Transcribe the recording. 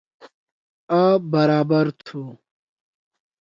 آ برابر تُھو۔